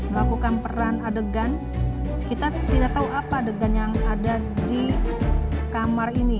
melakukan peran adegan kita tidak tahu apa adegan yang ada di kamar ini